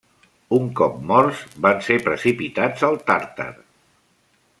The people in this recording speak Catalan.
Un cop morts, van ser precipitats al Tàrtar.